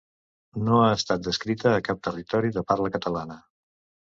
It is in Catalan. No ha estat descrita a cap territori de parla catalana.